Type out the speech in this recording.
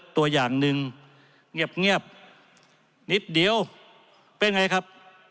ตัวอย่างหนึ่งเงียบนิดเดียวเป็นไงครับ